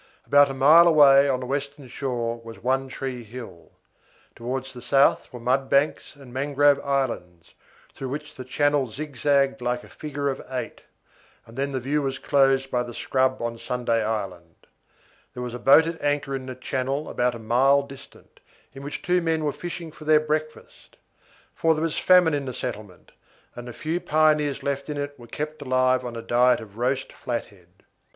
About a mile away on the western shore was One Tree Hill. Towards the south were mud banks and mangrove islands, through which the channel zigzagged like a figure of eight, and then the view was closed by the scrub on Sunday Island. There was a boat at anchor in the channel about a mile distant, in which two men were fishing for their breakfast, for there was famine in the settlement, and the few pioneers left in it were kept alive on a diet of roast flathead.